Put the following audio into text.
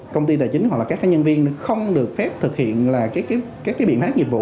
công ty tài chính hoặc là các nhân viên không được phép thực hiện là các cái biện pháp dịch vụ